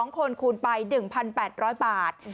๒คนคูณไป๑๘๐๐บาท